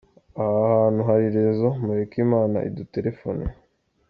Aha hantu hari Raison mureke Imana iduterefone”.